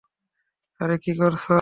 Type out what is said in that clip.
আরে কী করছো?